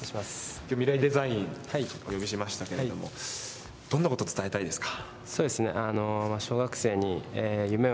今日は「ミライ×デザイン」でお呼びしましたけどどんなことを伝えたいですか？